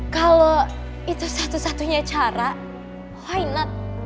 kalau itu satu satunya cara high not